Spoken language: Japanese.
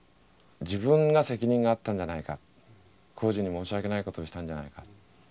自分が責任があったんじゃないか宏司に申し訳ないことをしたんじゃないか。